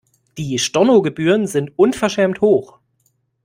Die Stornogebühren sind unverschämt hoch.